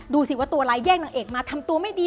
ดูสิว่าตัวอะไรแย่งนางเอกมาทำตัวไม่ดี